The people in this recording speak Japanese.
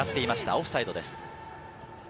オフサイドです。